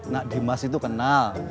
nak dimas itu kenal